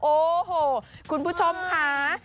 โอ้โหคุณผู้ชมค่ะ